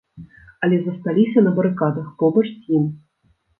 Але засталіся на барыкадах побач з ім.